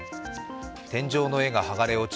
天井の絵が剥がれ落ち